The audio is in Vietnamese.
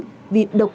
tự do của dân tộc